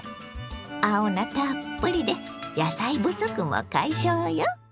青菜たっぷりで野菜不足も解消よ！